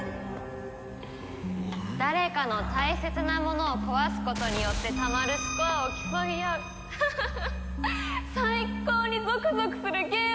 誰かの大切なものを壊すことによってたまるスコアを競い合う最高にゾクゾクするゲーム！